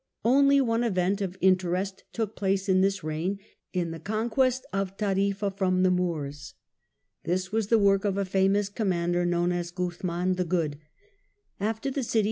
Only one event of interest took place in this reign in the conquest of Tarifa from the Moors. This was the work of a famous com mander known as Guzman the Good. After the city Guzman ..